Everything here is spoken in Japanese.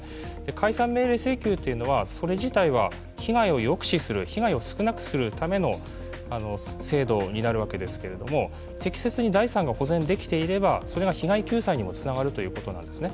解散命令請求というのは、それ自体は被害を抑止する、被害を少なくするための制度になるわけですけれども、適切に財産が保全できていれば、それが被害救済にもつながるということです。